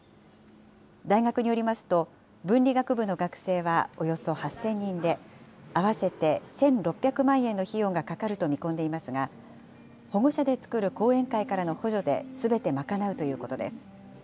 大学によりますと、文理学部の学生はおよそ８０００人で、合わせて１６００万円の費用がかかると見込んでいますが、保護者で作る後援会からの補助ですべて賄うということです。